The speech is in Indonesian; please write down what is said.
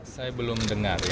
saya belum dengar